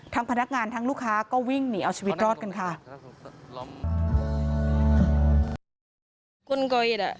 พนักงานทั้งลูกค้าก็วิ่งหนีเอาชีวิตรอดกันค่ะ